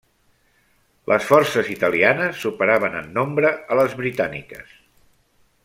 Les forces italianes superaven en nombre a les britàniques.